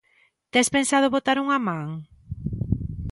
Tes pensado botar unha man?